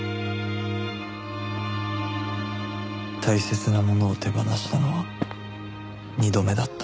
大切なものを手放したのは２度目だった